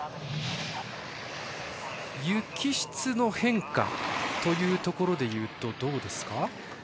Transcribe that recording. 雪質の変化というところで言うとどうですか？